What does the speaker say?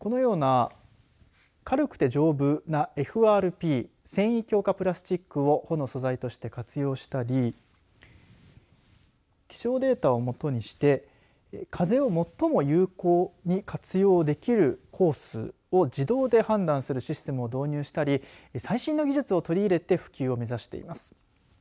このような軽くて丈夫なＦＲＰ繊維強化プラスチックを帆の素材として活用したり気象データを基にして風を最も有効に活用できるコースを自動で判断するシステムを導入したり最新の技術を取り入れて普及を目指しています。